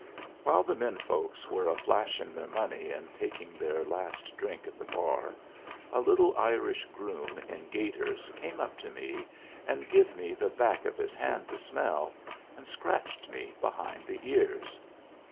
While the men folks were a flashing their money and taking their last drink at the bar, a little Irish groom in gaiters came up to me and give me the back of his hand to smell, and scratched me behind the ears.